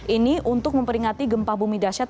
ini untuk memperingati gempa bumi dasyat